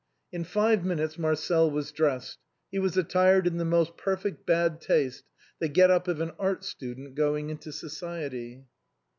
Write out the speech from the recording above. In five minutes Marcel was dressed, he was attired in the most perfect bad taste, the get up of an art student going into society.